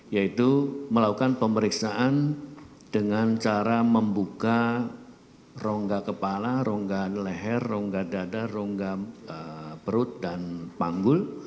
yaitu melakukan pemeriksaan dengan cara membuka rongga kepala rongga leher rongga dada rongga perut dan panggul